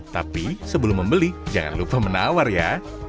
tapi sebelum membeli jangan lupa menawar ya